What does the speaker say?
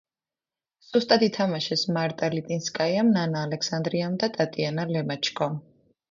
სუსტად ითმაშეს მარტა ლიტინსკაიამ, ნანა ალექსანდრიამ და ტატიანა ლემაჩკომ.